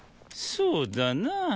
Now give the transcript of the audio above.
そうだな。